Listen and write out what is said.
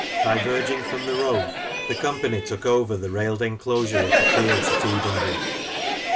Diverging from the road, the company took over the railed enclosure of the fields at Edenwood.